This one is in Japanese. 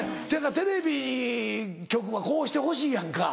テレビ局はこうしてほしいやんか。